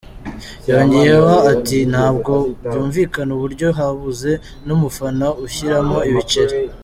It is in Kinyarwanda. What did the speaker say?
Yongeyeho ati “Ntabwo byumvikana uburyo habuze n’umufana ushyiramo ibiceri.